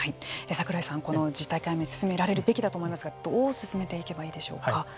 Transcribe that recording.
櫻井さん、この実態解明進められるべきだと思いますがどう進めていけばいいでしょうか。